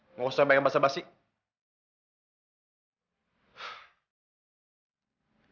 eh nggak usah banyak basah basih